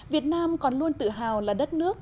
việt nam còn luôn tự hào là đất nước